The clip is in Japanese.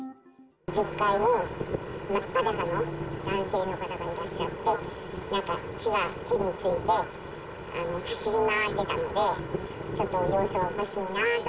１０階に、真っ裸の男性の方がいらっしゃって、なんか血が手について、走り回ってたので、ちょっと様子がおかしいなと。